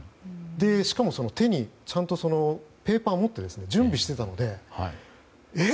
しかも、手にペーパーを持って準備していたのでえ！